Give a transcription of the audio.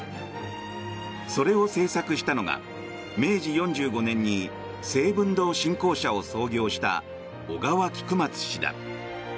それを製作したのが明治４５年に誠文堂新光社を創業した小川菊松氏だ。